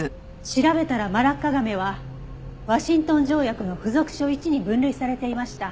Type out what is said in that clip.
調べたらマラッカガメはワシントン条約の附属書Ⅰに分類されていました。